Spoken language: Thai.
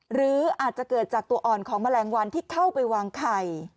หรืออาจจะเกิดจากตัวอ่อนของแมลงวันที่เข้าไปวางไข่